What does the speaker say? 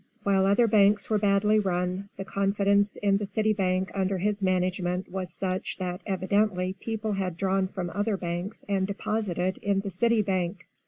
While other banks were badly 'run,' the confidence in the City Bank under his management was such that evidently people had drawn from other banks and deposited in the City Bank.